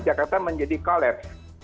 jakarta menjadi kolaps